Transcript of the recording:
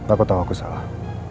aku tau aku salah